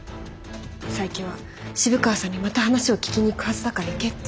佐伯は渋川さんにまた話を聞きに行くはずだから行けって。